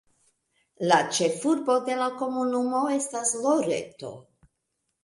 La ĉefurbo de la komunumo estas Loreto.